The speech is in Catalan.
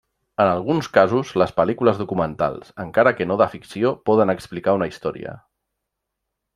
En alguns casos, les pel·lícules documentals, encara que no de ficció, poden explicar una història.